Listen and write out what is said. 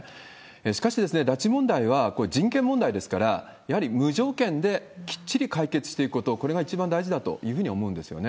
しかし拉致問題はこれ、人権問題ですから、やはり無条件できっちり解決していくこと、これが一番大事だというふうに思うんですよね。